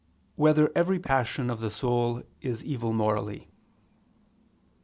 2] Whether Every Passion of the Soul Is Evil Morally?